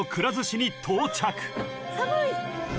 寒い。